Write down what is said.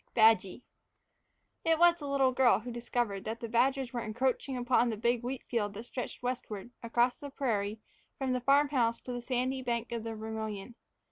X "BADGY" IT was the little girl who discovered that the badgers were encroaching upon the big wheat field that stretched westward, across the prairie, from the farm house to the sandy bank of the Vermillion.